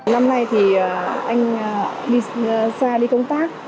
năm nay thì anh đi xa đi công tác